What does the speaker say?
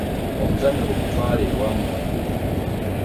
Omuzanyo gwo gutwale e wamwe.